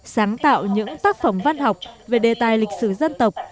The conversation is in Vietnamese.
sáng tạo những tác phẩm văn học về đề tài lịch sử dân tộc